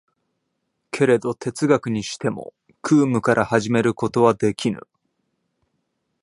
けれど哲学にしても空無から始めることはできぬ。